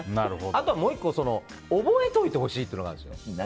あとは、もう１個覚えておいてほしいっていうのがあるんですね。